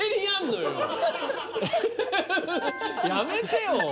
やめてよ